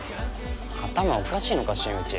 頭おかしいのか新内。